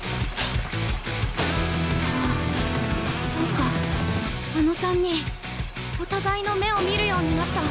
ああそうかあの３人お互いの目を見るようになった。